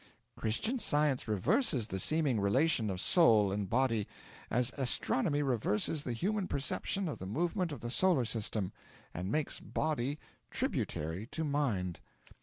'Christian Science reverses the seeming relation of Soul and body as astronomy reverses the human perception of the movement of the solar system and makes body tributary to Mind.